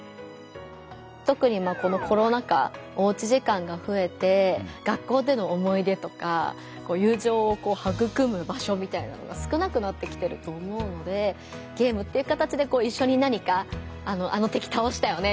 とくにこのコロナ禍おうち時間がふえて学校での思い出とか友情をはぐくむ場所みたいなのが少なくなってきてると思うのでゲームっていう形で一緒に何か「あの敵倒したよね」